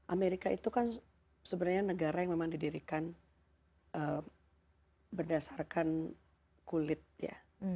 amerika itu kan sebenarnya negara yang memang didirikan berdasarkan kulit ya